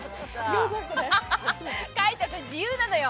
海音君、自由なのよ。